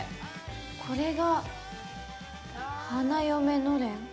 これが花嫁のれん？